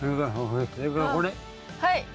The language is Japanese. はい。